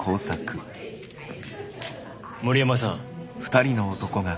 森山さん。